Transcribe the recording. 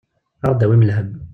Ad aɣ-d-awin lhemm.